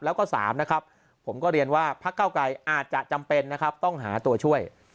แล้วก็๓นะครับผมก็เรียนว่าพักเก้าไกรอาจจะจำเป็นนะครับต้องหาตัวช่วย